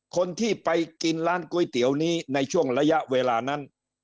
คนที่ไปกินร้านก๋วยเตี๋ยวนี้ในช่วงระยะเวลานั้น